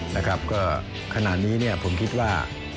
นะครับก็ขนาดนี้ผมคิดว่า